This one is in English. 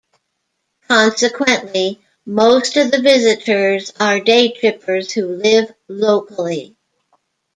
Consequently most of the visitors are day trippers who live locally.